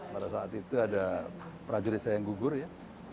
pada saat itu ada prajurit saya yang gugur ya